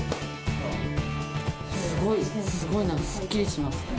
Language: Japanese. すごい、すごい、すっきりします。